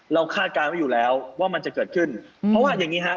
คาดการณ์ไว้อยู่แล้วว่ามันจะเกิดขึ้นเพราะว่าอย่างงี้ครับ